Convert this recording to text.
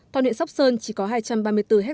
còn huyện sóc sơn chỉ có hai trăm ba mươi bốn hectare